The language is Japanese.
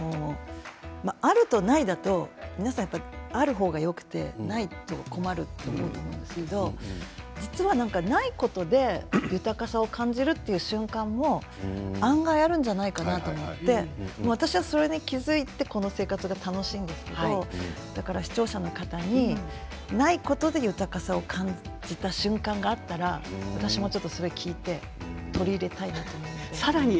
あると、ないだと皆さんある方がよくてないと困ると思うんですけど実は、ないことで豊かさを感じるという瞬間も案外あるんじゃないかなと思って私はそれに気付いてこの生活が楽しいんですけど視聴者の方にないことで豊かさを感じた瞬間があったら私も聞いて取り入れたいなと思います。